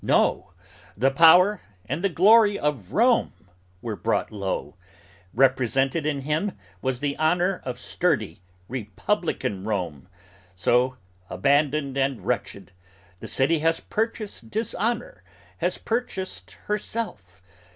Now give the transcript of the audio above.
No! The power and the glory Of Rome were brought low; represented in him was the honor Of sturdy Republican Rome. So, abandoned and wretched, The city has purchased dishonor: has purchased herself!